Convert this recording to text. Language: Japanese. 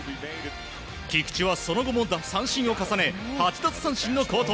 菊池はその後も奪三振を重ね８奪三振の好投。